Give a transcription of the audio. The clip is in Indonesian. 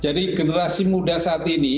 jadi generasi muda saat ini